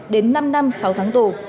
đến năm năm sáu tháng tù